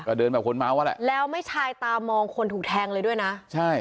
ก็เดินแบบคนเมาอ่ะแหละแล้วไม่ชายตามองคนถูกแทงเลยด้วยนะใช่